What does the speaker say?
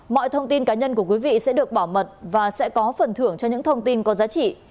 mọi thông tin cá nhân của quý vị sẽ được bảo mật và sẽ có phần thưởng cho những thông tin có giá trị